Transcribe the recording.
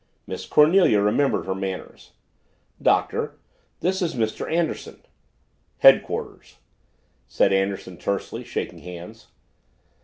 Miss Cornelia remembered her manners. "Doctor, this is Mr. Anderson." "Headquarters," said Anderson tersely, shaking hands.